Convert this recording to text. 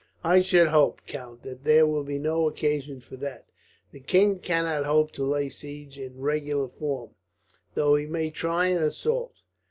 "I should hope, count, that there will be no occasion for that. The king cannot hope to lay siege in regular form, though he may try an assault.